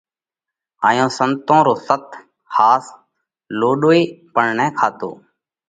هائيون سنتون رو ست (ۿاس) لوڏو ئي پڻ نه کاتو۔